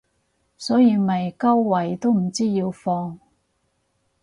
所以咪高位都唔知要放